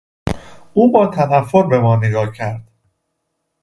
او با تنفر به ما نگاه کرد.